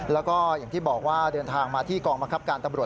แล้วก็อย่างที่บอกว่าเดินทางมาที่กองบังคับการตำรวจ